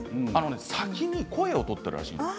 先に声をとったらしいんです。